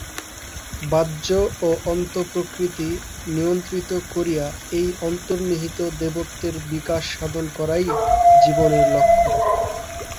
বাহ্য ও অন্তঃ-প্রকৃতি নিয়ন্ত্রিত করিয়া এই অন্তর্নিহিত দেবত্বের বিকাশ সাধন করাই জীবনের লক্ষ্য।